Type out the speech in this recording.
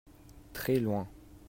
très loin.